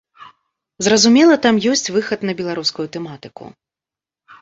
Зразумела, там ёсць выхад на беларускую тэматыку.